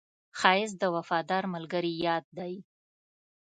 ښایست د وفادار ملګري یاد دی